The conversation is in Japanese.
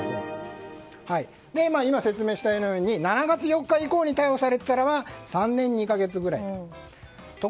今、説明したように７月４日以降に逮捕されていたならば３年２か月ぐらいだと。